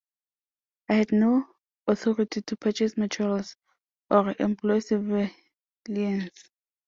I had no authority to purchase materials or employ civilians.